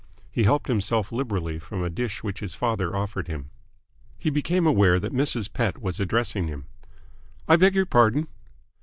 He helped himself liberally from a dish which his father offered him. He became aware that Mrs. Pett was addressing him. "I beg your pardon?"